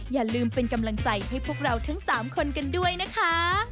อย่าลืมเป็นกำลังใจให้พวกเราทั้ง๓คนกันด้วยนะคะ